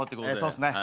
そうっすね。